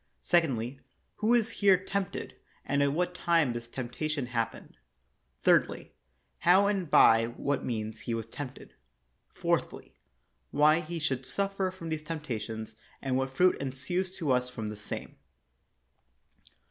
Secondly, who is here tempted, and at what time this temptation happened. Thirdly, how and by what means he was tempted. Fourthly, why he should suffer these temptations, and what fruit ensues to us from the same.